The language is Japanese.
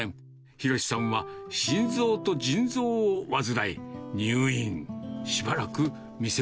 弘さんは心臓と腎臓を患い、入院。